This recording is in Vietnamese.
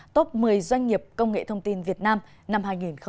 top một mươi doanh nghiệp công nghệ thông tin việt nam năm hai nghìn hai mươi